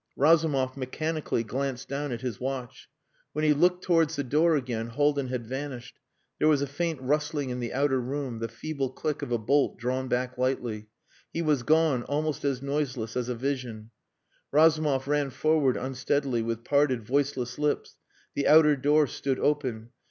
Razumov mechanically glanced down at his watch. When he looked towards the door again Haldin had vanished. There was a faint rustling in the outer room, the feeble click of a bolt drawn back lightly. He was gone almost as noiseless as a vision. Razumov ran forward unsteadily, with parted, voiceless lips. The outer door stood open.